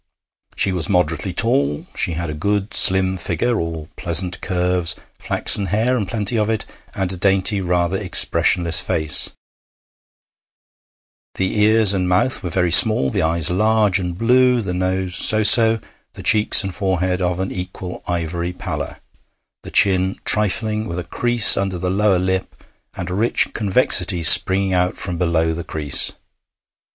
She was moderately tall; she had a good slim figure, all pleasant curves, flaxen hair and plenty of it, and a dainty, rather expressionless face; the ears and mouth were very small, the eyes large and blue, the nose so so, the cheeks and forehead of an equal ivory pallor, the chin trifling, with a crease under the lower lip and a rich convexity springing out from below the crease.